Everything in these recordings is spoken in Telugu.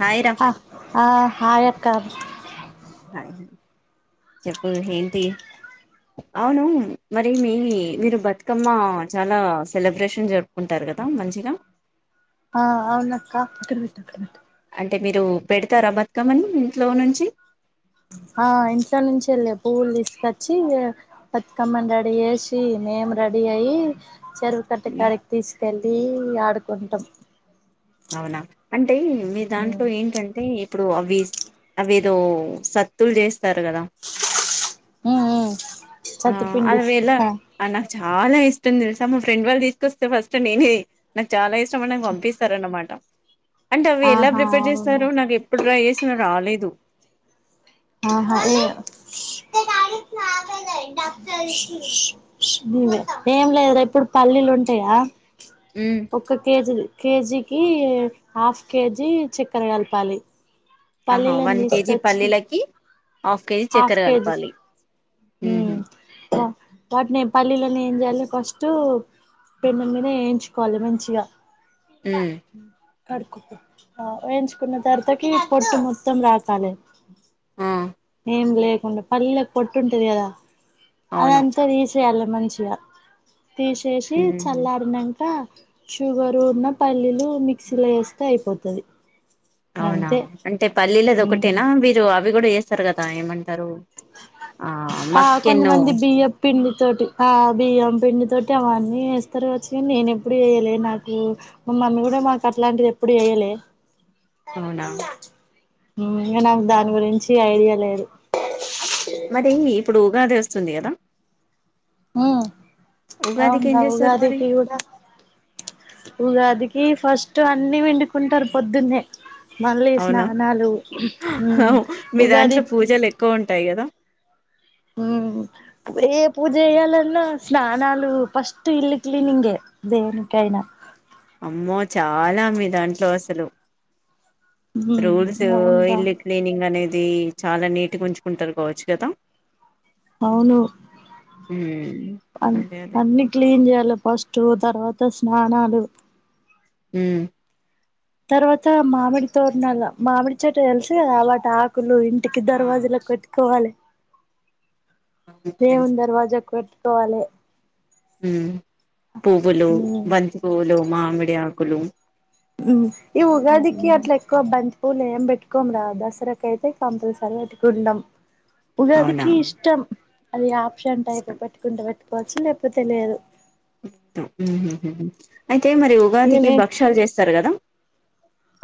హాయ్ రా ఆ ఆ హాయ్ అక్క హాయ్ చెప్పు ఏంటి అవును మం డి మీ మీరు బతుకమ్మ చాలా సెలబ్రేషన్ జరుపుకుంటారు కదా మంచిగా ఆ అవును అక్క టే మీరు పెడుతారా బతుకమ్మని ఇంట్లో నుంచి ఆ ఇంట్లో నుంచి వెళ్లే పువ్వులు తీసుకొచ్చి బతుకమ్మని రెడీ చేసి మేమ్ రె డీ అయి చెరువు ఉమ్, కట్టుకాడకి తీసుకెళ్ళి ఆడుకుంటాం అవునా అంటే మీ ఉమ్ దాంట్లో ఏంటంటే ఇప్పుడు అవి అవి ఏదో సత్తులు చేస్తారు కదా హు హు ఆ అదివేల ఆ నాకు చాలాయ్ ఇష్టము తెలుసా మా ఫ్రెండ్ వాళ్ళు తీసుకొస్తే ఫస్ట్ నేనే నాకు చాలా ఇష్టం అని నాకు పంపిస్తారు అన్నమాట అంటే అవి ఎలా ఆహా ప్రిపేర్ అవునా చేస్తారు నాకు ఎప్పుడు ట్రై చేసిన రాలేదు అవును హలో ఇంగా ఏం లేదురా ఇప్పుడు పల్లీలు ఉంటాయా ఉమ్, ఒక్క కేజీ కేజీకి హాఫ్ కేజీ చక్కెర కలపాలి ఆహా పల్లీలను వన్ కేజీ తీసుకచ్చి పల్లీలకి హాఫ్ కేజీ హాఫ్ చక్కెర కేజీ కలపాలి ఉ ఉహు హ వాటి నే పల్లీలనే ఏం చేయాలి ఫస్ట్ పెన్నం మీద వేయించుకోవాలి మంచిగా ఉ కడుకాపో ఆ వేయించుకున్న తర్వాతకి పొట్టు మొత్తం రాల్పాలే ఆ ఏం లేకుండా పల్లీలకు పొట్టు ఉంటది కదా అది అవును అంత తీసు తేయాలే మంచిగా తీసేసి ఉహు చల్లారినంకా షుగర్ ఉన్న పల్లీలు మిక్సీలో వేస్తే అయిపోతది అవునా అంతే అంటే పల్లీలది హ్మ్ ఒకటేనా మీరు అవి కూడా చేస్తారు కదా ఏమం టారు ఆ ఆ మక్కెను కొంతమంది బియ్యం పిండి తోటి ఆ బియ్యం పిండి తోటి అవన్నీ వేస్తారు కవచ్చు నేను ఎప్పుడు వేయాలే నాకు మమ్మీ కూడా మాకు అట్లాంటివి ఎప్పుడు ఎయ్యాలే అవునా మ్మ్ నాకు దాని గురించి ఐడియా లేదు మరి ఇప్పుడు ఉగాది వస్తుంది కదా ఆ ఉగాదికి ఏం అవును చేస్తారు మరి ఉగాదికి కూడా ఉగాది ఈ ఫస్ట్ అన్నీ పిండుకుంటారు పొద్దున్నే మళ్ళీ అవునా స్నానాలు అవు మీ ఉగాది దాంట్లో పూజలు ఎక్కువ ఉంటాయి కదా ఏ పూజ చేయాలన్న స్నానాలు ఫస్ట్ ఇల్లు కిలినింగ్ అమ్మో చాలా మీ దాంట్లో అసలు రోజు అవునురా ఇల్లు క్లీనింగ్ అనేది మ్మ్ చాలా నీటిగా ఉంచుకుంటారు కావచ్చు కదా అవును ఉమ్ అ అదే అదే అన్ని క్లీన్ చేయాలి ఫస్ట్ తర్వాత స్నానాలు మ్మ్ తర్వాత మామిడి తోరణాల మామిడి చెట్ తెలుసు కదా అ వాటి ఆకులు ఇంటికి ఆ దర్వాజుల కుట్టుకోవాలి అవును నిన్ తెలుసు దర్వాజా కుట్టుకోవాలే మ్మ్ పూవ్వులు మ్మ్ బంతి పూలు మామిడి ఆకులు ఉ ఈ ఉగాదికి అట్లా ఎక్కువ బంత్ పూలు ఏం పెట్టుకోము కదా దసరాకు అయితే కంపల్సరీ పెట్టుకున్నాం అవునా ఉగాదికి ఇష్టం అది ఆప్షన్ అంటాది ఇష్టంతో పెట్టుకుంటే పెట్టుకోవచ్చు లేకపోతే లేదు అయితే మరి ఉగాదికి భక్ష్యాలు చేస్తారు కదా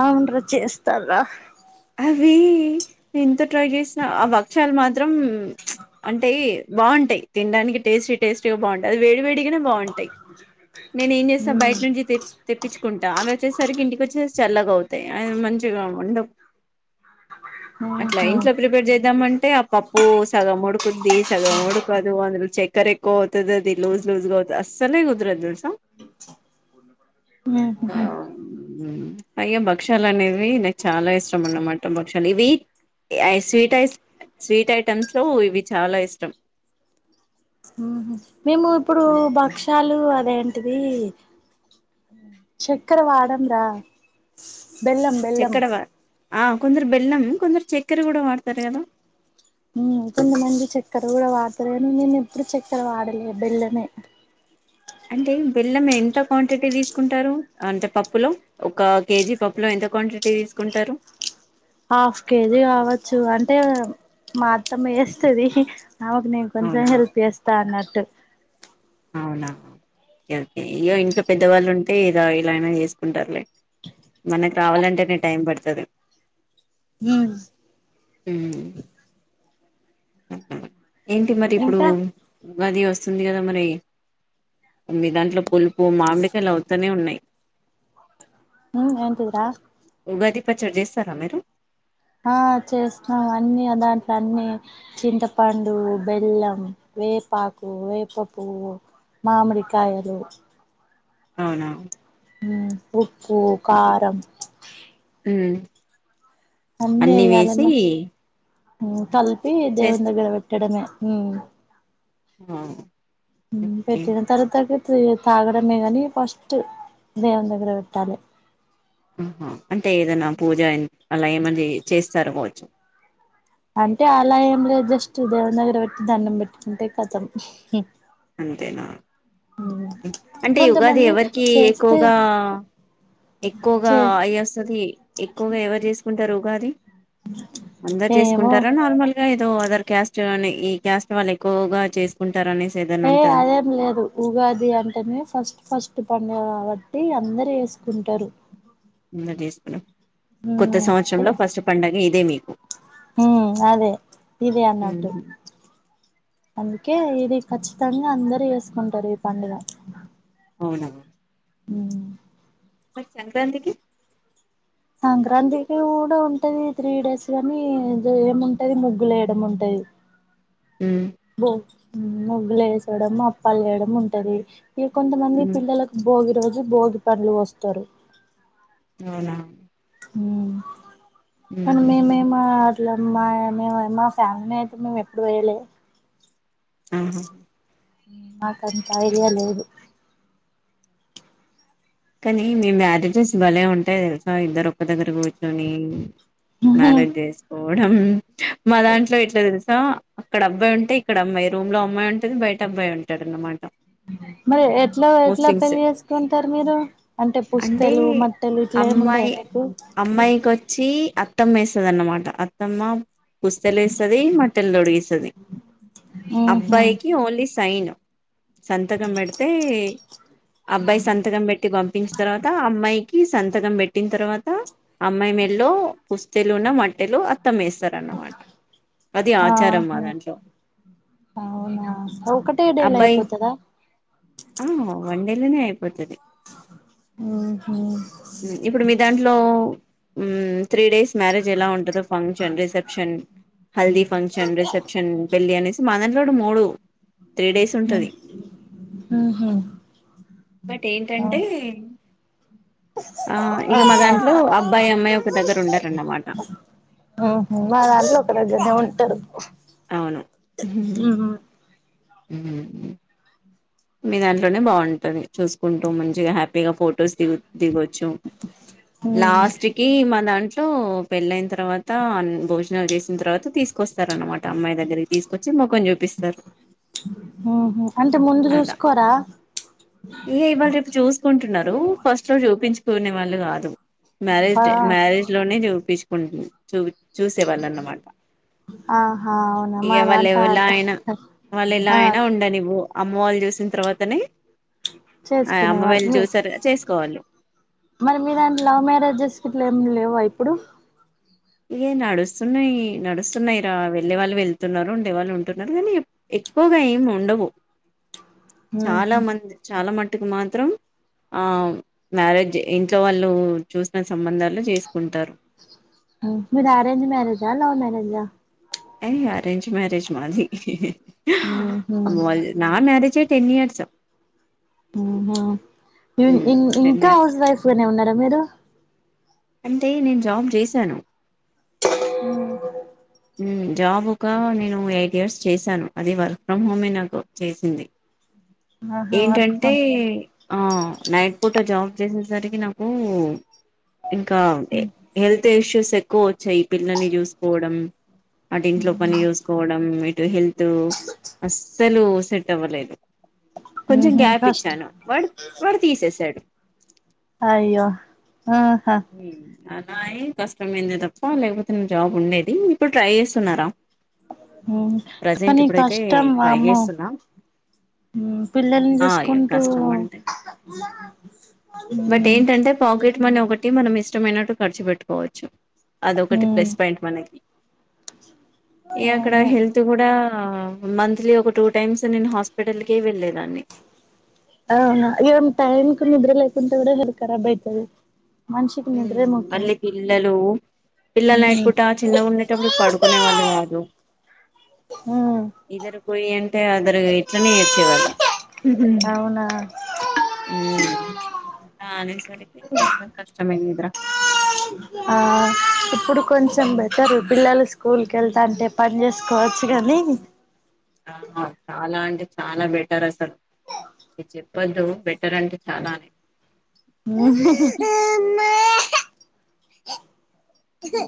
అవును రా చేస్తారు రా అవీ ఎంతో ట్రై చేసిన ఆ భక్షాలు మాత్రం అంటే బాగుంటాయి తినడానికి టెస్టీ టెస్టీగా బాగుంటాయి అది వేడి వేడి బాగుంటాయి నేను ఏం చేస్తా బయట మ్మ్ నుంచి తెప్ప్ తెప్పించుకుంటా అవి వచ్చేసరికి ఇంటికి వచ్చే చల్లగా అవుతాయి అవి మంచిగా ఉండవు అట్లా ఆహా ఇంట్లో ప్రిపేర్ చేద్దామంటే ఆ పప్పు సగం ఉడుకుద్ది సగం ఉడకదు అందులో చెక్ చెక్కెర ఎక్కువ అవుతాది అది లూజ్ లూజ్ గా అవుతాది అసలే కుదరదు తెలుసా ఉహు హూ అవి భక్షాలు అనేవి నాకు చాలా ఇష్టం అన్నమాట భక్షాలు ఆ స్వీట్ ఐస్ స్వీట్ ఐటమ్స్ లో ఇవి చాలా ఇష్టం మేము ఇప్పుడు భక్షలు అదేంటి అది చెక్కర వాడం రా బెల్లం బెల్లం చెక్కడ ఆ కొందరు బెల్లం కొందరు చక్కెర కూడా వాడతారు కదా మ్మ్ కొంతమంది చక్కెర కూడా వాడతారు కాని నేను ఎప్పుడు చక్కెర వాడలే బెళ్ళమే అంటే బెల్లం ఎంత క్వాంటిటీ తీసుకుంటారు అంటే పప్పులో ఒక కేజీ పప్పులో ఎంత ఎంత క్వాంటిటీ తీసుకుంటారు హాఫ్ కేజీ కావచ్చు అంటే మాఅత్తమ్మ ఎస్తాది నాకు నేను కొంచెం అవునా హెల్ప్ చేస్తా అన్నట్టు అవునా ఓకే ఓకే ఇయ్య ఇంట్లో పెద్దవాళ్ళు ఉంటే ఇద ఇలయినే చేసుకుంటారులే మనకు రావాలంటేనే టైం పడుతాది అవున మ్మ్ ఏంటి మరి ఇప్పుడు ఇంకా ఉగాది వస్తుంది కదా మరి అన్ని దాంట్లో పులుపు మామిడికాయలు అవుతానే ఉన్నాయి ఉ ఏంటిది రా ఉగాది పచ్చడి చేస్తారా మీరు ఆ చేస్తాం అన్ని ఆ దాంట్లో అన్ని చింతపండు బెల్లం వేపాకు వేప పువ్వు మామిడికాయలు అవునా ఉ ఉప్పు కారం ఉమ్ అన్నీ అన్ని వేసి ఎయ్యాలేమ్మ ఊ కలిపి దేవుని చేస్త దగ్గర పెట్టడమే ఉ ఆ ఉ ఓకే పెట్టిన తర్వాత [unintelligible] త్రీ తాగడమే కాని ఫస్ట్ దేవుని దగ్గర పెట్టాలి ఉహు అంటే ఏదైనా పూజ అలా ఏమన్నా చే చేస్తార కావచ్చు అంటే అలా ఏం లేదు జస్ట్ దేవుని దగ్గర పెట్టి దండం పెట్టుకుంటే కతం అంతేనా కొంతమంది చేస్తే ఎక్కువగా చే అయి వస్తది ఎక్కువగా ఎవరు చేసుకుంటారు ఉగాది అందరు ఏమో చేసుకుంటారా నార్మల్ గా తో ఆథర్ క్యాస్ట్ అని ఈ క్యాస్ట్ వాళ్ళు ఎక్కువగా చేసుకున్ ఏ అదేం లేదు ఉగాది అంటేనే ఫస్ట్ ఫస్ట్ తుపన్ పండుగ కాబట్టి అందరు వేసుకుంటారు నిన్నటి చేసుకున్న కొత్త సంవత్సరంలో ఫస్ట్ పడుగ ఇదే మీ ఊ అదే ఇదే అన్నట్టు ఉహు. అందుకే ది ఖచ్చితంగా అందరు చేసుకుంటారు ఈ పండుగ అవునా ఉ మరి సంక్రాంతికి సంక్రాంతికి కూడా ఉంటది త్రీ డేస్ కానీ ఏముంటది ముగ్గులు వేయడం ఉంటది హ్మ్. బో ము ముగ్గులు వేసేయడం అప్పలు చేయడం ఉంటది ఇ కొంతమంది హ్మ్. పిల్లలకు భోగి రోజు భోగి పండ్లు పోస్తారు అవునా ఊ కానీ హుహుహు. మేమేమ లంబా మేము మా ఫ్యామిలీ అయితే మేము ఎప్పుడు పోయలే ఆహా నాకు అంత ఐడియా లేదు కానీ మీ మ్యారేజెస్ భలే ఉంటాయి తెలుసా ఇద్దరు ఒక్క దగ్గర కూర్చొని మ్యారేజ్ చేసుకోవడం మా దాంట్లో ఎట్ల తెలుసా అక్కడ అబ్బాయి ఉంటే ఇక్క అమ్మాయి రూమ్ లో అమ్మాయి ఉంటది బయట అబ్బాయి ఉంటాడు అన్నమాట మరి ఎట్లా ఎట్లా ముస్లిమ్స్ పెళ్లి చేసుకుంటారు మ మీరు అంటే పుస్తెలు మట్టెలు ఇట్లా ఏమి ఉండద అమ్మాయి మీకు అమ్మాయికి వచ్చి అత్తమ్మ వేస్తది అన్నమాట అత్తమ్మా పుస్తెలు ఎస్తది మట్టెలు తొడిగిస్తాది ఆహా అబ్బాయికి ఓన్లీ సైన్ సంతకం పెడితే అబ్బాయి సన్ థకం పెట్టి పంపించి తర్వాత అమ్మాయి కి సంతకం పెట్టిన తర్వాత అమ్మాయి మెల్లో పుస్తెలున్న మట్టెలు త్తం వేస్తారన్నమాట అది ఆచారం మా ఆహా దాంట్లో అవునా ఒకటే డే లో అబ్బాయి అయిపోతాదా ఆ వన్ డే లోనే అయిపోతాది ఆహా ఉ ఇప్పుడు మీ దాంట్లో ఉహ్మ్ త్రీ డేస్ మ్యారేజ్ ఎలా ఉంటదో function reception haldi function reception పెళ్లి అనేసి మా దంట్లో కూడా మూడు త్రీ డేస్ ఉంటది హ్మ హ్మ బట్ ఏంటంటే ఆ ఇక మా దాంట్లో అబ్బాయి అమ్మాయి ఒక దగ్గర ఉండారన్నమాట ఓహో మా దాంట్లో ఒక డిగర్నే ఉంటారు అవును హ్మ్ మీ దాంట్లోనే బాంటాది చూసుకుంటూ మంచిగా హ్యాపీ పిగా ఫొటోస్ ది దిగొచ్చు లాస్ట్ కి మా దాంట్లో పెళ్ళయిన తర్వాత భోజనాలు చేసిన తర్వాత తీసుకొస్తార అనమాట అమ్మాయి దగ్గరికి తీసుకొచ్చి మ హ్మ్మ్ అంటే ముందు అలా చూసుకోరా ఇక ఇవాళ రేపు చూసుకుంట టున్నారు ఫస్ట్ లో చూపించుకునే వాళ్ళు కాదు మ్యారేజ్ ఆ డే మ్యారేజ్ లోనే చూపించ కుంట చూ చూసేవాళ్ళ అన్నమాట ఆహా అవునా ఇక మా దాంట్లో వాళ్ళలేవల అయినా వాళ్ళ ఇలా ఆ అయినా ఉండనివ్వు అమ్మ వాళ్ళు చూసిన తర్వాతనే చేసుకునే అమ్మ వాళ్ళ వాళ్ళు మీ చూసారు చేసుకోవాలి మరి మీ దాంట్లో లవ్ మ్యారేజెస్ ఇట్లా ఏమి లేవా ఇప్పుడు ఇ నడుస్తున్నాయి నడుస్తున్నాయి రా వెళ్ళే వాళ్ళు వెళ్తున్నారు ఉండే వాళ్ళు ఉంటున్నారు కానీ ఏ ఎక్కువగా ఏమి ఉండవు చాలా ఉహు మంది చాలా మట్టుకు మాత్రం ఆ మ్యారేజ్ ఇంట్లో వాళ్ళు చూసిన సంబంధాలు చేసుకుంటారు మీద అరేంజ్ మ్యారేజా లవ్ మ్యారేజా ఏయ అరేంజ్ మ్యారేజ్ మాది ఉహు మ నా మ్యారేజ్ టెన్ ఇయర్స్ మ్మ్ అవునా టెన్ ఇంకా ఇయర్స్ హౌస్ వైఫ్ గానే ఉన్నారా మీరు అంటే నేను జాబ్ చేసాను హ్మ్ జాబ్ ఒక నేను ఎయిట్ ఇయర్స్ చేశాను అది వర్క్ ఫ్రమ్ హోమే నాకు చేసింది ఆహా వర్క్ ఏంటంటే ఫ్రమ్ ఆ నైట్ పూట జాబ్ సేసరికి నాకు ఇంకా హెల్త్ ఇష్యూస్ ఎక్కువ వచ్చాయి పిల్లని చూసుకోవడం అటు ఇంట్లో పని చూసుకోవడం హెల్త్ అస్సలు సెట్ అవ్వలేదు కొంచెం ఉహు గ్యాప్ ఫస్ట్ ఇచ్చాను వాడ వాడు తీసేసాడు అయ్యో ఆహా అలాయి కష్టమైంది తప్ప లేకపోతే నేన జాబ్ ఉండేది ఇప్పుడు ట్రై చేస్తున్నారా హ్మ ప్రజెంట్ కానీ ఇప్పుడైతే కష్టం ట్రై వామ్మో చేస్తున్నా హ్మ్ పిల్లల్ని ఆ చూసుకుంటూ కష్టం అంటే బట్ ఉమ్ ఏంటంటే పాకెట్ మనీ ఒకట్ మనం ఇష్టమైనట్టు ఖర్చు పెట్టుకోవచ్చు అదొకటి ఉమ్ ప్లస్ పాయింట్ మనకి ఈ అక్కడ అవును హెల్త్ కూడా మంత్లీ ఒక టూ టైమ్స్ నేను హాస్పిటల్ల్కే వెళ్ళేదాన్ని కొంత కూడా లేదు కరాబ్ అయితది మనిషికి నిద్రే హ్మ ముఖ్యం మళ్ళీ పిల్లలు పిల్లలు నైట్ ఉహు పూట చిన్నగా ఉండేటప్పుడు ఉమ్ పడుకునే వాళ్ళు కాదు ఉమ్ నిద్ర పోయ అంటే అదరు ఇట్లనే ఏడ్చేవాళ్ళు అవునా హ్మ్ అనేసరికి ఇంకా కష్టమే కదర ఆ ఇప్పుడు కొంచెం బెటరు పిల్లలు స్ స్కూల్కి వెళ్తాంటే పని చేసుకోవచ్చు కానీ ఆ చాలా అంటే చాలా బెటర్ అసలు ఇది చెప్పొద్దు బెటర్ అంటే చాలానే